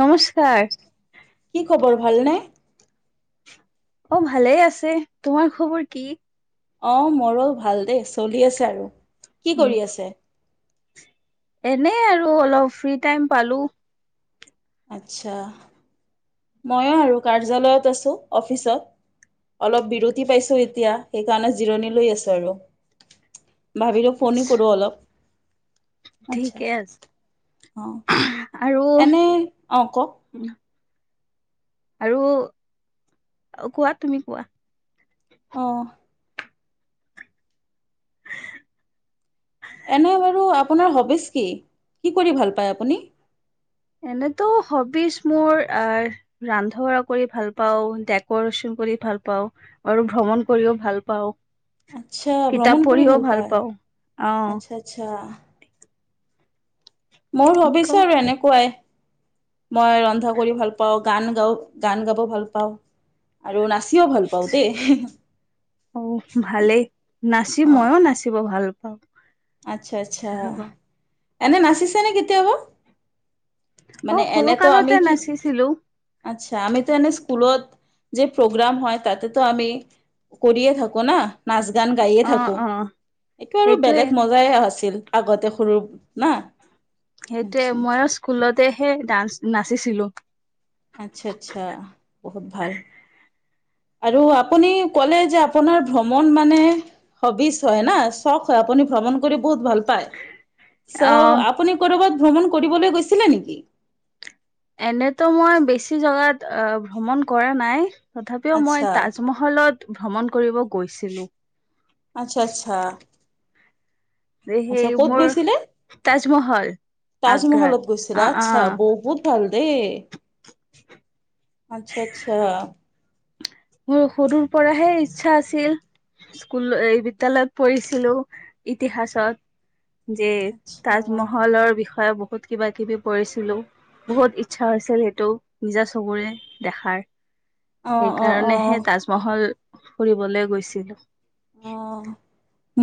নমস্কাৰ। কি খবৰ, ভাল নে? অ ভালেই আছে, তোমাৰ খবৰ কি? অ মৰো ভাল দেই, চলি আছে আৰু কি কৰি আছে? এনেই আৰু অলপ ফ্ৰী টাইম পালো। আচ্ছা ময়ো আৰু কাৰ্যালয়ত আছো অফিচত। অলপ বিৰতি পাইছো এতিয়া সেইকাৰণে জিৰণি লৈ আছো আৰু। ভাবিলোঁ ফোনে কৰোঁ অলপ। আচ্ছা। ঠিকে আছে অঁ, আৰু এনে, অ কওক। আৰু কোৱা তুমি কোৱা। অঁ। এনে বাৰু আপোনাৰ হবিচ কি? কি কৰি ভাল পায় আপুনি? এনেতো হবিচ মোৰ ৰান্ধ'বাঢ়া কৰি ভাল পাও, ডেকৰেচন কৰি ভাল পাও আৰু ভ্ৰমণ কৰিও ভাল পাওঁ। আচ্ছা ভ্ৰমণ কিতাপ কৰি পঢ়িও ভাল পায়। পাওঁ। আচ্ছা আচ্ছা অহ। মোৰ হবিছৰ আৰু এনেকুৱাই। মই ৰন্ধা কৰি ভাল পাওঁ, গান গাও, গান গাব ভাল পাওঁ। আৰু নাচিও ভাল পাওঁ দেই। অ ভালেই নাচিম অ মই নাচিব ভাল পাওঁ আচ্ছা আচ্ছা এনে নাচিছেনে কেতিয়াবা? অ মানে সৰু এনেতো আমি কালতে কি নাচিছিলো আচ্ছা আমিতো এনে স্কুলত যে প্ৰগ্ৰাম হয়। তাতে তো আমি কৰিয়ে থাকো না নাচ-গান গাইয়ে অ থাকো। অ এইটো আৰু সেইটোয়ে বেলেগ মজাই আছিল আগতে সৰু না। সেইটোয়ে আচ্ছা মই স্কুলতেহে ডান্স নাচিছিলো। আচ্ছা-আচ্ছা, বহুত ভাল। আৰু আপুনি ক'লে যে আপোনাৰ ভ্ৰমণ মানে হবিচ হয় না, চখ হয়। আপুনি ভ্ৰমণ কৰি বহুত ভাল পায়, চ অ আপুনি কৰবাত ভ্ৰমণ কৰিবলৈ গৈছিলে নেকি? এনেতো মই বেছি জেগাত ভ্ৰমণ কৰা নাই। তথাপিও আচ্ছা, মই তাজমহলত ভ্ৰমণ কৰিব গৈছিলো। আচ্ছা-আচ্ছা। যে সেই মোৰ তাজমহল আগ্ৰাত তাজমহলত গৈছিলে অ অ আচ্ছা, বহুত ভাল ডেই। আচ্ছা-আচ্ছা। মোৰ সৰুৰ পৰাহে ইচ্ছা আছিল। স্কুল এই বিদ্যালয়ত পঢ়িছিলো ইতিহাসত। যে আচ্ছা, তাজমহলৰ বিষয়ে বহুত কিবা কিবি পঢ়িছিলোঁ। বহুত ইচ্ছা হৈছিল সেইটো নিজা চকুৰে দেখাৰ অ'-অ'। কাৰণেহে তাজমহল ফুৰিবলৈ গৈছিলো। অ',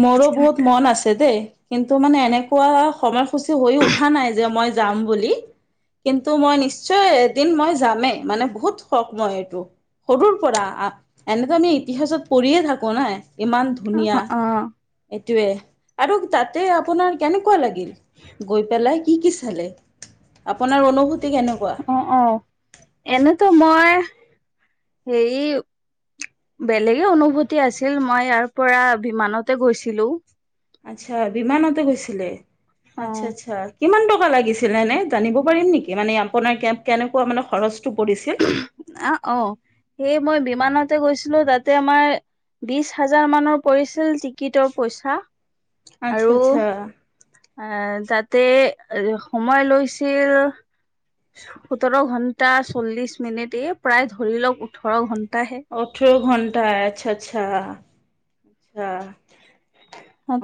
মোৰ বহুত মন আছে দেই। কিন্তু মানে এনেকুৱা সময়সূচী হৈ উঠা নাই যে মই যাম বুলি কিন্তু মই নিশ্চয় এদিন মই যামেই মানে বহুত শখ মই এইটো। সৰুৰ পৰা, এনেটো আমি ইতিহাসত পঢ়িয়ে থাকো নাই, ইমান ধুনীয়া। অ', অ', সেইটোৱে আৰু তাতে আপোনাৰ কেনেকুৱা লাগিল গৈ পেলাই। কি-কি চালে? আপোনাৰ অনুভব অ'-অ', এনেতো মই হেৰি বেলেগে অনুভূতি আছিল মই ইয়াৰ পৰা বিমানতে গৈছিলো। আচ্ছা বিমানতে গৈছিলে, অ', আচ্ছা-আচ্ছা। কিমান টকা লাগিছিলে এনে? জানিব পাৰিম নেকি মানে আপোনাৰ কেনেকুৱা মানে খৰচ আহ, অ', সেই মই বিমানতে গৈছিলো তাতে আমাৰ বিশ হাজাৰ মানৰ পৰিছিল টিকিটৰ পইচা। আচ্ছা আৰু আচ্ছা এ তাত তে এ সময় লৈছিল সোতৰ ঘন্টা চল্লিশ এনেতেয প্ৰায় ধৰি লওক ওঠৰ ঘন্টা। ওঠৰ ঘণ্টাই, আচ্ছা-আচ্ছা।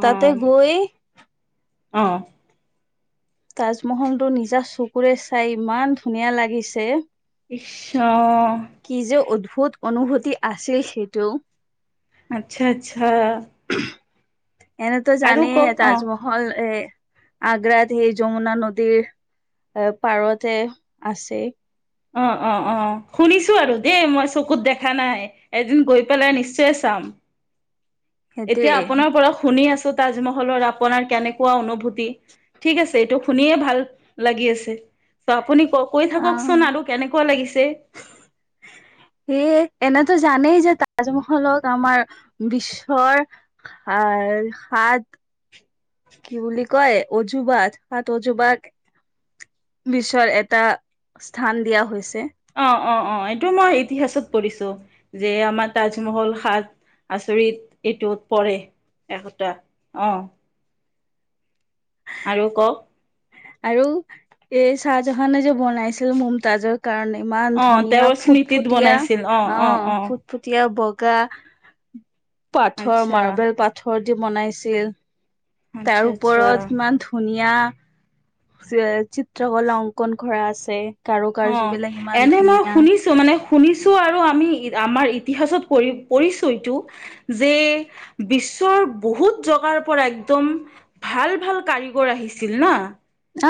তাতে গৈ অ'। তাজমহল টো নিজা চকুৰে চাই ইমান ধুনীয়া লাগিছে আচ্ছা। বহুত অনুভূতি আছিল সেইটোও। আচ্ছা-আচ্ছা। এনেতো জানেই অ তাজমহল এ আগ্ৰাত সেই যমুনা নদীৰ অ, পাৰতে আছে। অ'-অ'-অ', শুনিছো আৰু দেই মই চকুত দেখা নাই এদিন গৈ পেলাই নিশ্চয় চাম। এতিয়া সেইটোৱে আপোনাৰ পৰা শুনি আছো তাজমহলৰ আপোনাৰ কেনেকুৱা অনুভূতি। ঠিক আছে এইটো শুনিয়ে ভাল লাগি আছে চ আপুনি ক কৈ থাককচোন আৰু কেনেকুৱা লাগিছে? সেই এনেটো জানেই যে তাজমহলক আমাৰ বিশ্বৰ আ, সাত কি বুলি কয় অজুবাত হাত অজুবাত বিশ্বৰ এটা স্থান দিয়া হৈছে। অ'-অ'-অ', এইটো মই ইতিহাচত পঢ়িছো যে আমাৰ তাজমহল সাত আচৰিত এইটোত পৰে একটা আহ। আৰু কওক আৰু এই চাহ জাহানে যে বনাইছিল মমতাজক কাৰণ ইমান অ ধুনীয়া তেওঁৰ স্মৃতিত ফুটফুটীয়া বনাইছিল অ ফুটফুটীয়া বগ কা পাথৰ আচ্ছা মাৰ্বেল পাথৰ দি বনাইছিল। আচ্ছা তাৰ ওপৰত আচ্ছা কিমান ধুনীয়া চিত্ৰকলাৰ অংকন কৰা আছে। কাৰু অ কাৰ্য বিলাক ইমান এনে মই ধুনীয়া শুনিছো মানে শুনিছো। আৰু আমি আমাৰ ইতিহছত পৰি পৰিছো এইটো যে বিশ্বৰ বহুত জগাৰ পৰা একদম ভাল ভাল কাৰিকৰ আহিছিল ন।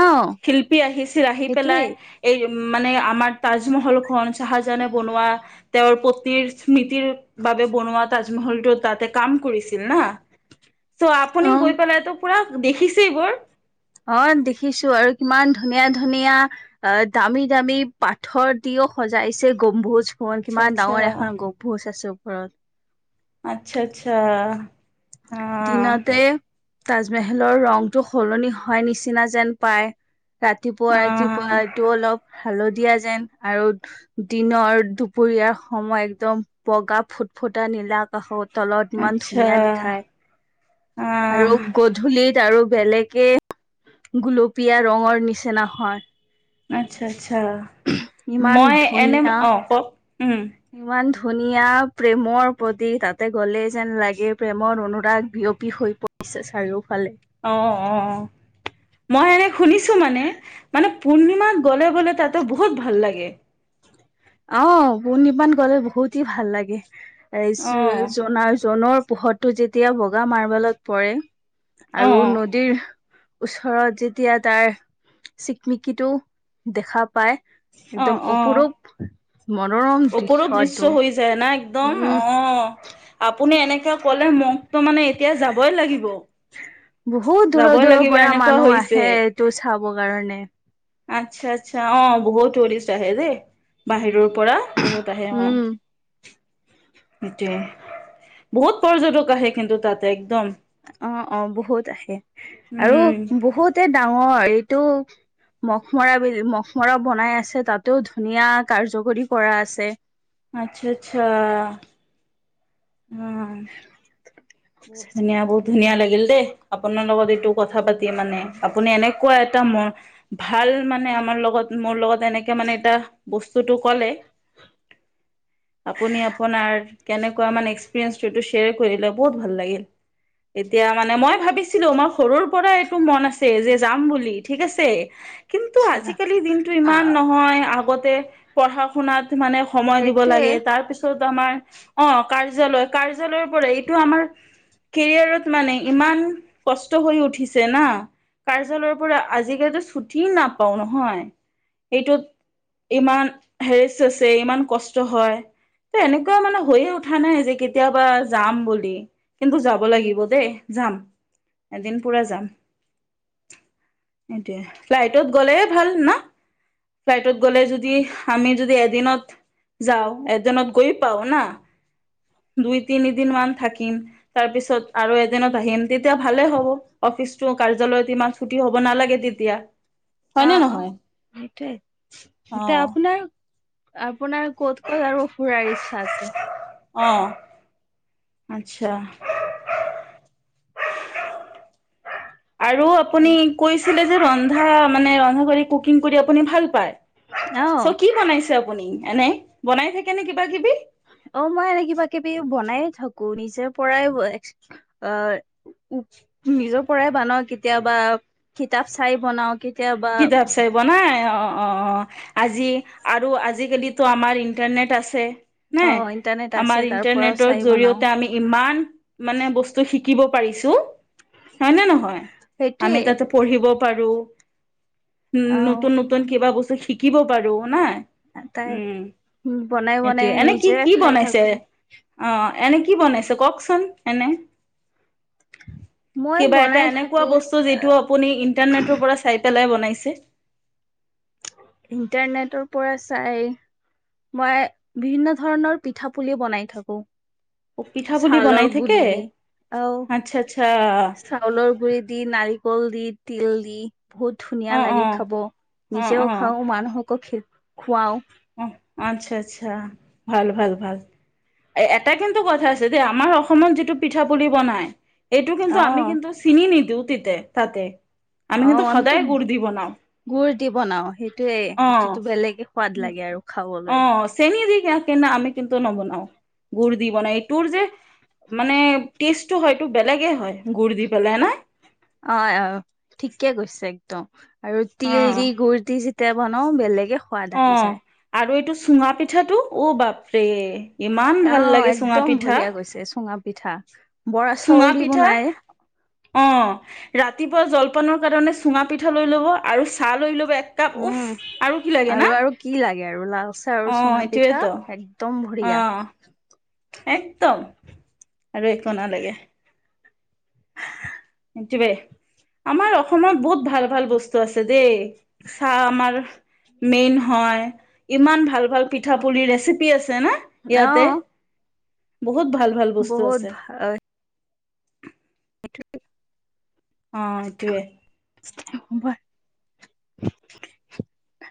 আহ শিল্পী আহিছিল আহি পেলাই সেইটোৱেই এই উ মানে আমাৰ তাজমহল খন চাহজাহানে বনোৱা তেওঁৰ পত্নীৰ স্মৃতিৰ বাবে বনোৱা তাজমহলটো তাতে কাম কৰিছিল ন। চ' অ আপুনি গৈ পেলাই তো পুৰা দেখিছে এইবোৰ অ দেখিছো আৰু কিমান ধুনীয়া ধুনীয়া অ দামী দামী পাথৰ দি ক সজাইছে গম্ভোজ ফন আচ্ছা কিমান আচ্ছা ডাঙৰ এখন গম্ভোজ আছে ওপৰত আচ্ছা আচ্ছা আহ, তাজমহলৰ ৰংটো সলনি হয় নিচিনা যেন পায়। ৰাতিপুৱা ৰাতিপুৱা অ'। এইটো অলপ হালধীয়া যেন আৰু দিনৰ দুপৰীয়াৰ সময় একদম বগা ফুটফুট ফুটা নীলাক আকৌ তলত ইমান আচ্ছা ধুনীয়া দিখাই আহ আৰু গধূলিত আৰু বেলেগে গুলপীয়া ৰঙৰ নিচিনা হয়। আচ্ছা আচ্ছা ইমান মই এনে ধুনীয়া অ কও উম ইমান ধুনীয়া প্ৰেমৰ প্ৰতি তাতে গ'লে যেন লাগে প্ৰেমৰ অনুৰাগ বিয়পি হৈ প চায়ও অ অ মই এনে শুনিছো মানে মানে পূৰ্ণিমাত গ'লে গ'লে তাতো বহুত ভাল লাগে অ পৰ্ নিপান গলে বহুতেই ভাল লাগে এ অ জনাৰ জনৰ পোহৰটো যেতিয়া বগা মাৰ্বেলত পৰে অ আৰু নদীৰ ওচৰত যেতিয়া তাৰ চিকমিকিটো দেখা পায়। অ একদম অ অপৰূপ মনোৰম ওপৰৰ দৃশ্য দৃশটো হৈ যায় না একদম অ আপুনি এনেকে কলে মোকতো মানে এতিয়া যাবই লাগিব বহুত দূৰৰ যাবই দূৰৰ লাগিব পৰা এনেকুৱা মানুহ হৈছে আহে এইটো চাব কাৰণে আচ্ছা আচ্ছা অ বহুত টুৰিষ্ট আহে দেই বাহিৰৰ পৰা বহুত আহে অ। উম, সটোয়ে বহুত পৰ্যটক আহে কিন্তু তাত একদম অ অ বহুত আহে আৰু উম বহুতে ডাঙৰ এইটো মখমৰা বি মখমৰা বনাই আছে তাতেও ধুনীয়া কাৰ্যকৰী কৰা আছে। আচ্ছা আচ্ছা। আহ বহুত ধুনীয়া বহুত ধুনীয়া লাগিল দেই আপোনাৰ লগত এইটো কথা পাতি মানে আপুনি এনেকুৱা এটা ম ভাল মানে আমাৰ লগত মোৰ লগত এনেকে মানে এটা বস্তুতটো কলে কলে আপুনি আপোনাৰ কেনেকুৱা মানে এক্সপিৰিয়েঞ্চটো শ্বেয়াৰ কৰিলে বহুত ভাল লাগিল। এতিয়া মানে মই ভাবিছিলো মই সৰুৰ পৰা এইটো মন আছে যে যাম বুলি ঠিক আছে, কিন্তু আচ্ছা আজিকালি দিনটো অ ইমান নহয় আগতে পঢ়া শুনাত মানে সময় দিব সেইটোৱে লাগে তাৰ পিছত আমাৰ অ কাৰ্যালয় কাৰ্যালয়ৰ পৰা টো আমাৰ কেৰিয়াৰত মানে ইমান কষ্ট হৈ উঠিছে না। কাৰ্যালয়ৰ পৰা আজিকালিতো ছুটি নাপাও নহয়, এইটো ইমান হেৰেচ আছে, ইমান কষ্ট হয় ত এনেকুৱা মানে হৈয়ে উঠা নাই যে কেতিয়াবা যাম বুলি লি কিন্তু যাব লাগিব দেই, যাম এদিন পুৰা যাম। এতিয়া ফ্লাইটত গলে ভাল না? ফ্লাইটত গ'লে যদি আমি যদি এদিনত যাওঁ এজনত গৈ পাও না, দুই- তিনিদিন মান থাকি কিম, তাৰ পিছত আৰু এদিনত আহিম তেতিয়া ভালে হ'ব অফিচটো কাৰ্যালয়ত ইমান ছুটি হ'ব নালাগে তিতিয়া। অ অ সেইটোৱে, অ এতিয়া আপোনাৰ আপোনাৰ ক'ত ক'ত আৰু ফুৰাইছ অহ। আচ্ছা। আৰু আপুনি হেল্ল' কৈছিলে যে ৰন্ধা মানে ৰন্ধা কৰি় কুকিং কৰি আপুনি ভাল পায়। অ চ কি বনাইছে আপুনি এনে বনাই থাকে নে কিবা কিবি? অ মই এনে কিবা কিবি বনায়ে থাকো নিজৰ পৰাই অ নিজৰ পৰাই বনাও, কেতিয়াবা কিতাপ চাই বনাও কেতিয়াবা কিতাপ চাই বনাই অ। অঁ অঁ আজি আৰু আজিকালিতো আমাৰ ইণ্টাৰনেট আছে অ নাই ইন্টাৰনেট আছে আমাৰ তাৰ পৰাও ইন্টাৰনেটৰ চাই বনাও জৰিয়তে আমি ইমান মানে বস্তু শিক শিকিব পাৰিছো হয় নে নহয়? সেইটোৱে আমি তাতে পঢ়িব পাৰো উম অ নতুন নতুন কিবা বস্তু শিকিব পাৰো না। তাই উম, বনাই বনাই সেইটোয়ে এনে কি নিজে কি খাই বনাইছে? থাকো আহ, এনে কি বনাইছে কওকচোন এনে? মই কিবা এটা বনাই এনেকুৱা থাকো বস্তু যিটো আপুনি ইণ্টাৰনেটৰ পৰা চাই পেলাই বনাইছে? ইণ্টাৰনেটৰ পৰা চাই মই বিভিন্ন ধৰণৰ পিঠা পুলিও বনাই থাকো। অ পিঠা পুলি বনাই চালৰ থাকে গুলি দি, আহ আচ্ছা আচ্ছা চাউলৰ গুৰি দি, নাৰিকল দি, তিল দি বহুত অ ধুনীয়া অ লাগে খাব, অ অ নিজেও খাওঁ মানুহকো খ খুৱাও। আহ আচ্ছা আচ্ছা, ভাল ভাল ভাল। এ এটা কিন্তু কথা আছে যে আমাৰ অসমত যিটো পিঠা পুলি বনাই এইটো কিন্তু অ আমি কিন্তু চিনি নিদিওঁ তিতে তাতে। আমি অ কিন্তু আমিতো সদায় গুড় দি বনাওঁ গুৰ দি বনাও সেইটোয়ে, এইটোতো বেলেগে সোৱাদ। উম, লাগে আৰু অ খাবলৈ চেনি দি কে আমি তিক কিন্তু নবনাওঁ, গুৰ দি বনাই তোৰ যে, মানে টেষ্টটো হয় টো বেলেগে হয় গুড় দি পেলাই নাই। ত আৰু অ তিল দি, গুৰ দি যেতিয়া বনাওঁ বেলেগে সোৱাদ অ আহি যায় আৰু এইটো চুঙা পিঠাটো, ঔ বাপ অ একদম পিঠা ভৰিয়া গৈছে চুঙা পিঠা, বৰা চুঙা চাউল দি পিঠা বনাই আই। অ ৰাতিপুৱা জলপানৰ কাৰণে চুঙা পিঠা লৈ ল'ব আৰু চাহ লৈ ল'ব এক কাপ, ইষ্ট উম উফ আৰু কি লাগে না আৰু আৰু কি লাগে আৰু লাল চাহ আৰু অ' চুঙা পিঠা এইটোৱেতো একদম বঢ়িয়া। অ' একদম আৰু একো নালাগে। দিবাই, আমাৰ অসমত বহুত ভাল ভাল বস্তু আছে দেই। চাহ আমাৰ মেইন হয়। ইমান ভাল ভাল পিঠা পুলিৰ ৰেচিপি আছে ন অ ইয়াতে। বহুত ভাল ভাল বস্তু আছে। বহুত [unintelligible] অ ইটোৱে। হব।